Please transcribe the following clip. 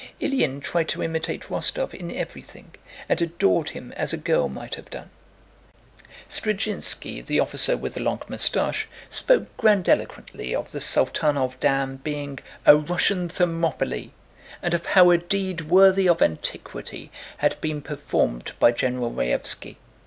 Ilyín tried to imitate Rostóv in everything and adored him as a girl might have done. Zdrzhinski, the officer with the long mustache, spoke grandiloquently of the Saltánov dam being "a Russian Thermopylae," and of how a deed worthy of antiquity had been performed by General Raévski.